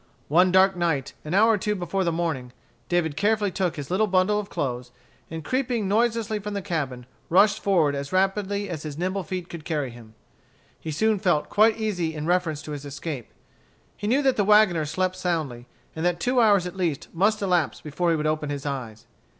One dark night, an hour or two before the morning, David carefully took his little bundle of clothes, and creeping noiselessly from the cabin, rushed forward as rapidly as his nimble feet could carry him. He soon felt quite easy in reference to his escape. He knew that the wagoner slept soundly, and that two hours at least must elapse before he would open his eyes.